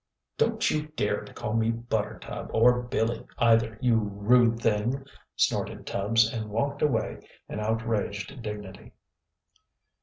"Don't you dare to call me Buttertub, or Billy either, you rude thing!" snorted Tubbs, and walked away in outraged dignity.